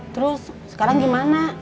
terus sekarang gimana